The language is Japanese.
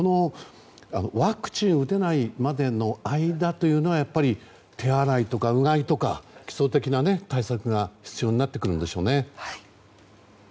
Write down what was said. ワクチンを打てないまでの間というのはやっぱり手洗いとかうがいとか基礎的な対策が必要になってくるでしょうね。